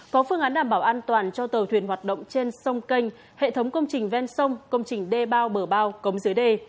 có phương án đảm bảo an toàn cho tàu thuyền hoạt động trên sông kênh hệ thống công trình ven sông công trình đê bao bờ bao cống dưới đê